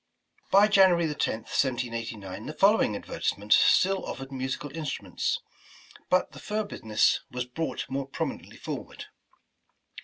By January 10th, 1789, the following advertisement still offered musical instruments, but the fur business was brought more prominently forward.